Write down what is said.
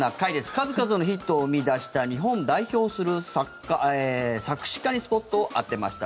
数々のヒットを生み出した日本を代表する作家、作詞家にスポットを当てました。